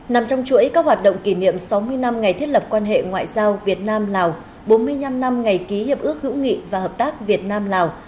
nằm trong chuỗi các hoạt động kỷ niệm sáu mươi năm ngày thiết lập quan hệ ngoại giao việt nam lào bốn mươi năm năm ngày ký hiệp ước hữu nghị và hợp tác việt nam lào